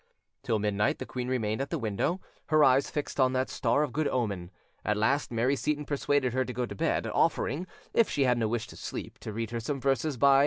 Till midnight the queen remained at the window, her eyes fixed on that star of good omen: at last Mary Seyton persuaded her to go to bed, offering, if she had no wish to sleep, to read her some verses by M.